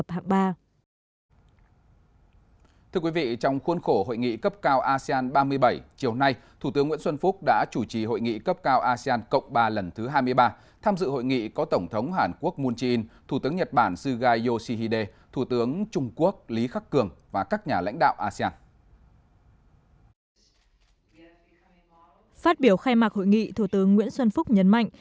phát biểu khai mạc hội nghị thủ tướng nguyễn xuân phúc nhấn mạnh